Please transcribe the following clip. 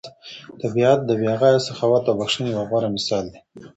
طبیعت د بې غایه سخاوت او بښنې یو غوره مثال دی.